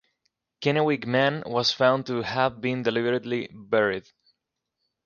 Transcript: Kennewick Man was found to have been deliberately buried.